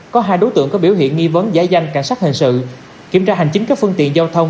có hai đối tượng có biểu hiện nghi vấn giải danh cảnh sát hình sự kiểm tra hành chính các phương tiện giao thông